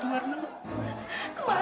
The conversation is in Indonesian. rangga jangan keluar